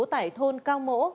tại thôn cao mỗ